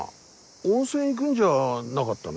温泉行くんじゃなかったの？